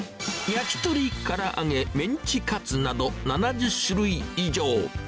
焼き鳥、から揚げ、メンチカツなど７０種類以上。